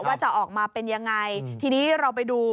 ว่าจะออกมาเป็นยังไงทีนี้เราไปดู